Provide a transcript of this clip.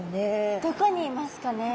どこにいますかね。